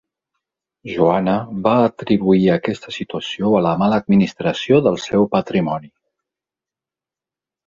Joana va atribuir aquesta situació a la mala administració del seu patrimoni.